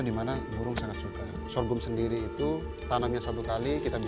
sebuah produk urusan yang juga negatif di tutorial kedari